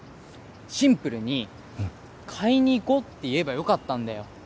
シンプルに買いに行こうって言えばよかったんだよ